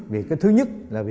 vì cái thứ nhất